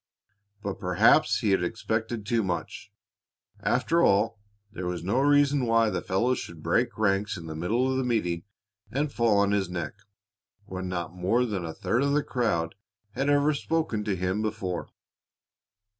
But perhaps he had expected too much. After all, there was no reason why the fellows should break ranks in the middle of meeting and fall on his neck, when not more than a third of the crowd had ever spoken to him before.